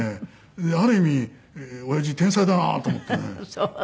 ある意味親父天才だなと思ってね。